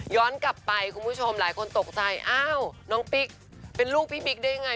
กลับไปคุณผู้ชมหลายคนตกใจอ้าวน้องปิ๊กเป็นลูกพี่บิ๊กได้ยังไง